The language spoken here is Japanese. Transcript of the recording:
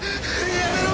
やめろ！